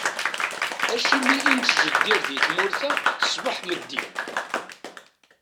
Acimi i nettjeddir di tmurt-a ṣbeḥ meddi?